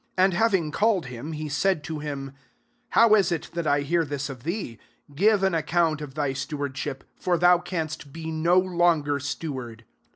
I And having called him, he utU to hini» < How is it that I bear this of thee ? give an ac count of [My] stewardship: for tboacsnstbeno longer steward.'